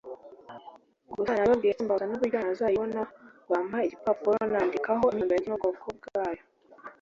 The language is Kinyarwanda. gusa nabibabwiye ndetse mbabaza n’uburyo nazayibona bampa igipapuro nandikaho imyirondoro yanjye n’ubwoko bwayo